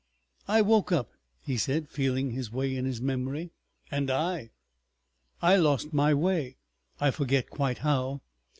"I woke up," he said, feeling his way in his memory. "And I." "I lost my way—I forget quite how.